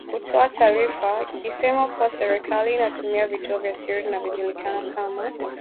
kutoa taarifa ikisema kuwa serikali inatumia vituo vya siri vinavyojulikana kama